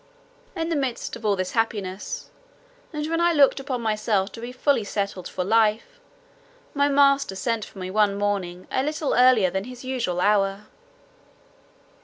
In the midst of all this happiness, and when I looked upon myself to be fully settled for life, my master sent for me one morning a little earlier than his usual hour.